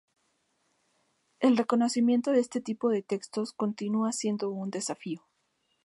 El reconocimiento de este tipos de textos continúa siendo un desafío.